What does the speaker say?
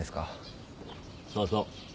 そうそう。